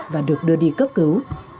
và được đưa đi cấp cứu